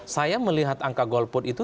saya melihat angka golput itu